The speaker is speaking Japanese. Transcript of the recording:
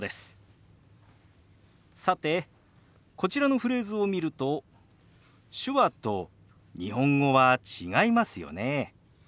さてこちらのフレーズを見ると手話と日本語は違いますよね。